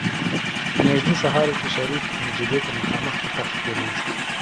نژدې سهار و چې شريف نجيبې ته مخامخ په تخت کېناست.